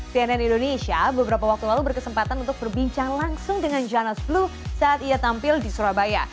cnn indonesia beberapa waktu lalu berkesempatan untuk berbincang langsung dengan janas blue saat ia tampil di surabaya